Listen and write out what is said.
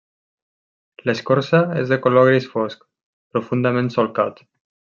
L'escorça és de color gris fosc, profundament solcat.